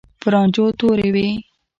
په رانجو تورې وې.